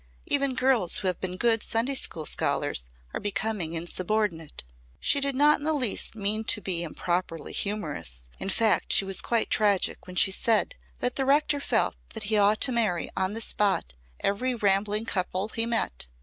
Even girls who have been good Sunday school scholars are becoming insubordinate. She did not in the least mean to be improperly humorous in fact she was quite tragic when she said that the rector felt that he ought to marry, on the spot, every rambling couple he met.